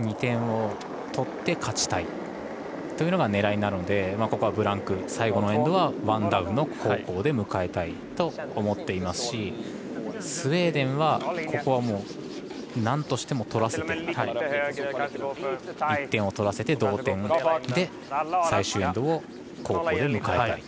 ２点を取って勝ちたいというのが狙いなのでここはブランク、最後のエンドはワンダウンの後攻で迎えたいと思っていますしスウェーデンは、ここはなんとしても１点を取らせて同点で最終エンドを後攻で迎えたい。